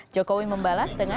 jokowi membalas dengan